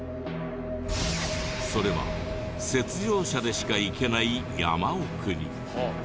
それは雪上車でしか行けない山奥に。